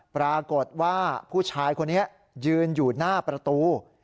ปรากฏว่าผู้ชายคนนี้ยืนอยู่หน้าประตู